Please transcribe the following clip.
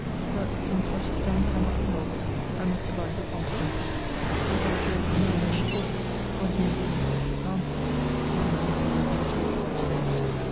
But, since what is done cannot be helped, I must abide the consequences: yet I dread more than before, what may be my sister's answer, if an answer will be at all vouchsafed.